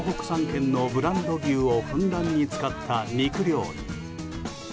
３県のブランド牛をふんだんに使った肉料理。